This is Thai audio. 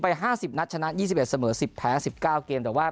ไปห้าสิบนัดชนะยี่สิบเอ็ดเสมอสิบแพ้สิบเก้าเกมแต่ว่า